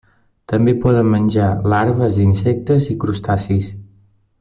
També poden menjar larves d'insectes i crustacis.